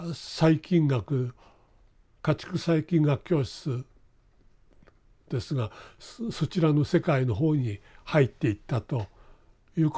家畜細菌学教室ですがそちらの世界の方に入っていったということで。